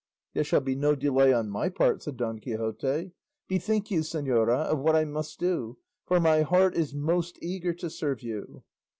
"There shall be no delay on my part," said Don Quixote. "Bethink you, señora, of what I must do, for my heart is most eager to serve you."